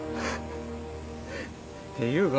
っていうか